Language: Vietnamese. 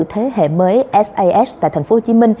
thế hệ mới sas tại tp hcm